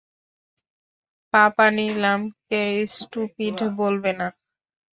পাপা নিলামকে স্টুপিট বলবে না।